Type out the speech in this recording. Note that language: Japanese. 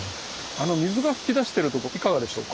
あの水が噴き出してるとこいかがでしょうか？